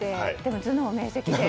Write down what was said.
頭脳明晰で。